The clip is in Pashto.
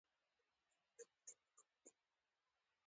ميرويس نيکه له اوله پوهېده چې ښار تر محاصرې لاندې راځي.